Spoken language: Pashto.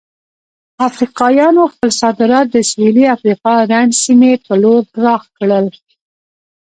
افریقایانو خپل صادرات د سویلي افریقا رنډ سیمې په لور پراخ کړل.